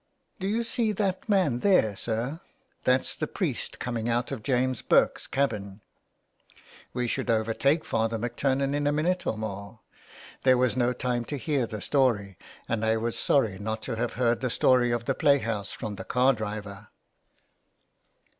" Do you see that man there, sir ? That's the priest coming out of James Burke's cabin." We should overtake Father McTurnan in a minute or more. There was no time to hear the story, and I was sorry not to have heard the story of the play house from the car driver.